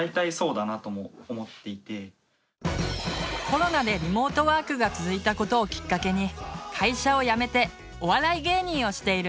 コロナでリモートワークが続いたことをきっかけに会社を辞めてお笑い芸人をしているたかすみさん。